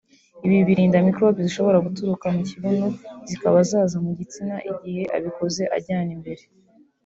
ibi birinda mikorobe zishobora guturuka mu kibuno zikaba zaza mu gitsina igihe abikoze ajyana imbere